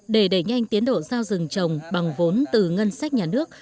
để đẩy nhanh tiến độ giao rừng trồng bằng vốn từ ngân sách nhà nước